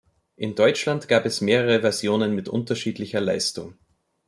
In Deutschland gab es mehrere Versionen mit unterschiedlicher Leistung.